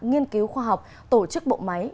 nghiên cứu khoa học tổ chức bộ máy